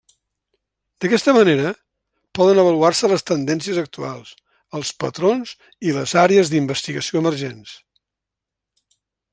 D'aquesta manera, poden avaluar-se les tendències actuals, els patrons i les àrees d'investigació emergents.